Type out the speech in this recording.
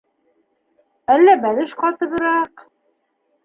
Әллә бәлеш ҡатыбыраҡ...